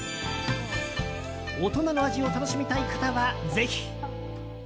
大人の味を楽しみたい方はぜひ。